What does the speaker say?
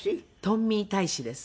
トンミー大使です。